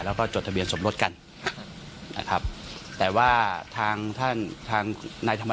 แล้วก็จดทะเบียนสมรสกันนะครับแต่ว่าทางท่านทางนายธรรม